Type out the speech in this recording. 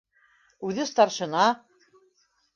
Үҙе старшина.